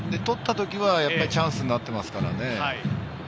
取った時はチャンスになっていますからね。